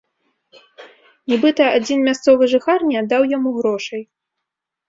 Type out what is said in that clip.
Нібыта, адзін мясцовы жыхар не аддаў яму грошай.